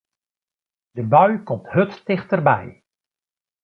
De bui komt hurd tichterby.